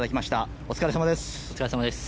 お疲れさまです。